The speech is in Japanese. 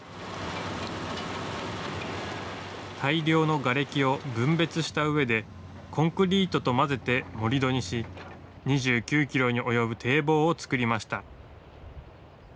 大量のがれきを分別したうえでコンクリートと混ぜて盛り土にし２９ｋｍに及ぶ堤防を造りました。